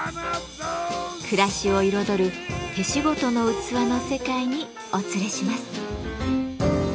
暮らしを彩る手仕事の器の世界にお連れします。